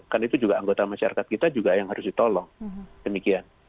kan itu juga anggota masyarakat kita juga yang harus ditolong demikian